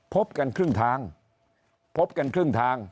พบกันครึ่งทางพบกันครึ่งทาง